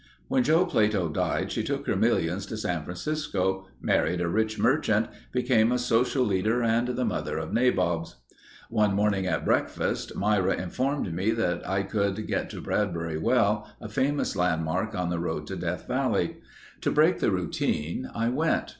When Joe Plato died she took her millions to San Francisco, married a rich merchant, became a social leader and the mother of nabobs. One morning at breakfast Myra informed me that I could get to Bradbury Well, a famous landmark on the road to Death Valley. To break the routine, I went.